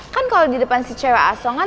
kan kalau di depan si cewek asongan